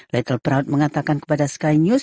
littleproud mengatakan kepada sky news